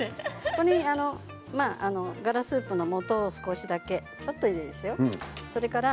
ここにガラスープのもと少しだけちょっとでいいですよ。